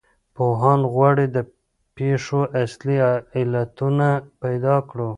پوهان غواړي د پېښو اصلي علتونه پیدا کړو.